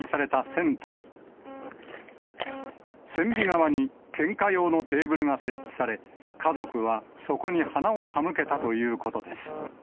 船尾側に献花用のテーブルが設置され、家族はそこに花を手向けたということです。